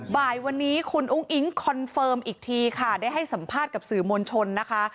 บ่ายวันนี้คุณอุ้งอิ๊งคอนเฟิร์มอีกทีค่ะได้ให้สัมภาษณ์กับสื่อมวลชนนะคะ